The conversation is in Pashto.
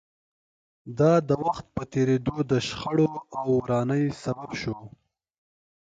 دا د وخت په تېرېدو د شخړو او ورانۍ سبب شوه